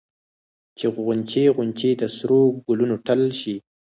چې غونچې غونچې د سرو ګلونو ټل شي